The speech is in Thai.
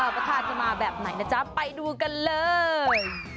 ประธานจะมาแบบไหนนะจ๊ะไปดูกันเลย